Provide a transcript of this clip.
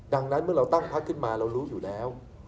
ดังนั้นเมื่อเราตั้งพักขึ้นมาเรารู้อยู่แล้ว